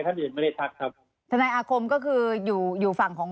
ท่านอื่นไม่ได้ทักครับทนายอาคมก็คืออยู่อยู่ฝั่งของ